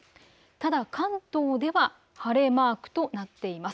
ただ関東では晴れマークとなっています。